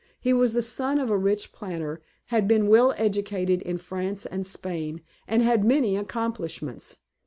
He was the son of a rich planter, had been well educated in France and Spain, and had many accomplishments.